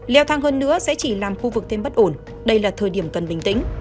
leo thang hơn nữa sẽ chỉ làm khu vực thêm bất ổn đây là thời điểm cần bình tĩnh